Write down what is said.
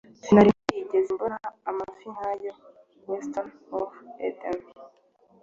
Sinari narigeze mbona amafi nk'ayo. (WestofEden)